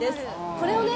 これをね